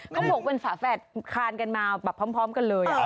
ก็พูดเป็นสาวแฟดคานกันมาพร้อมกันเลย